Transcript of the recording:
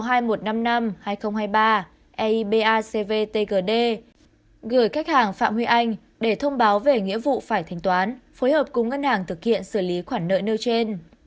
eipacvtgd gửi khách hàng phạm huy anh để thông báo về nghĩa vụ phải thành toán phối hợp cùng ngân hàng thực hiện xử lý khoản nợ nơi trên